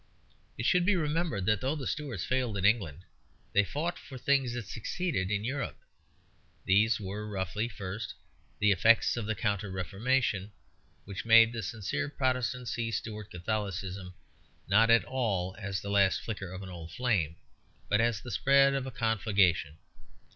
It should be remembered that though the Stuarts failed in England they fought for things that succeeded in Europe. These were roughly, first, the effects of the Counter Reformation, which made the sincere Protestant see Stuart Catholicism not at all as the last flicker of an old flame, but as the spread of a conflagration.